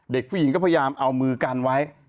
เด็กผู้หญิงก็พยายามเอามือกันไว้